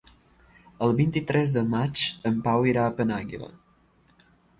El vint-i-tres de maig en Pau irà a Penàguila.